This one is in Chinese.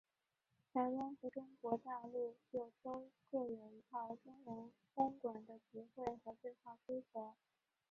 台湾和中国大陆就都各有一套中文空管的词汇和对话规则。